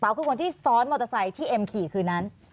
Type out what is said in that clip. คือคนที่ซ้อนมอเตอร์ไซค์ที่เอ็มขี่คืนนั้น